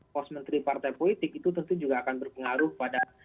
pos menteri partai politik itu tentu juga akan berpengaruh pada